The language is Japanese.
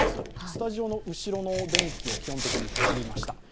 スタジオの後ろの電気を基本的に切りました。